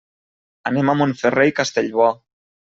Anem a Montferrer i Castellbò.